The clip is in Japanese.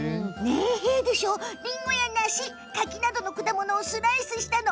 りんごや梨、柿などの果物をスライスしたの。